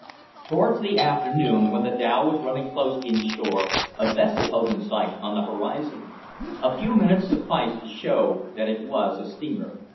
Towards the afternoon, while the dhow was running close in shore, a vessel hove in sight on the horizon. A few minutes sufficed to show that it was a steamer.